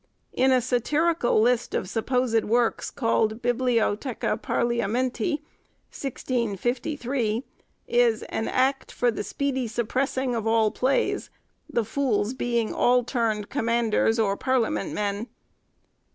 In a satirical list of supposed works called 'Bibliotheca Parliamenti,' 1653, is 'An Act for the speedy suppressing all Plays, the Fools being all turned Commanders or Parliament men.